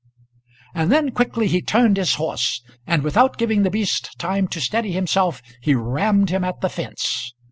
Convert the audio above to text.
And then quickly he turned his horse, and without giving the beast time to steady himself he rammed him at the fence.